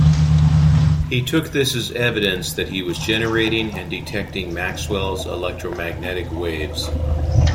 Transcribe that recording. He took this as evidence that he was generating and detecting Maxwell's electromagnetic waves.